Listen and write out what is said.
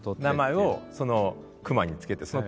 名前を熊につけて。